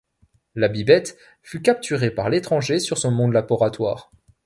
La Bi-bête fut capturée par l'Étranger sur son monde-laboratoire.